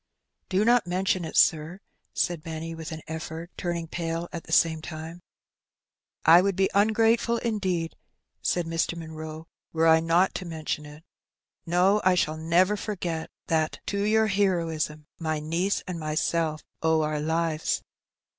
^^ "Do not mention it, sir,^^ said Benny, with an effort;, turning pale at the same time. " I would be ungrateful indeed,*' said Mr. Munroe, " were I not to mention it. No, I shall never forget that to your heroism my niece and myself owe our lives."